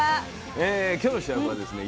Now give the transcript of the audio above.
今日の主役はですね